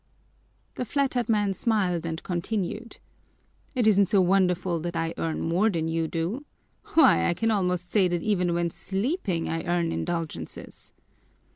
The flattered man smiled and continued, "It isn't so wonderful that I earn more than you do. Why, I can almost say that even when sleeping I earn indulgences."